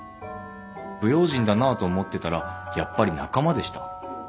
不用心だなぁと思ってたらやっぱり仲間でした。